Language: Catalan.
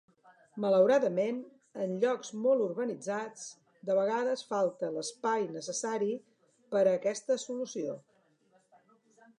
Malauradament, en llocs molt urbanitzats, de vegades falta l'espai necessari per a aquesta solució.